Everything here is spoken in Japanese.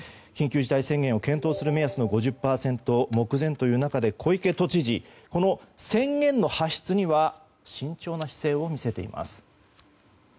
緊急事態宣言を検討する目安の５０％目前という中で小池都知事、この宣言の発出には慎重な姿勢を見せています。